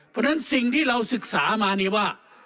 เพราะฉะนั้นสิ่งที่เราศึกษามาเนี่ยว่า